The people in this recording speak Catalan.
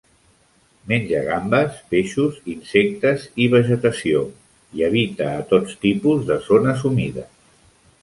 Menja gambes, peixos, insectes i vegetació, i habita a tots tipus de zones humides.